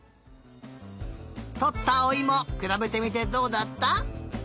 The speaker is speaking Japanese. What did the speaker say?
とったおいもくらべてみてどうだった？